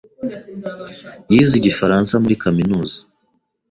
yize igifaransa muri kaminuza.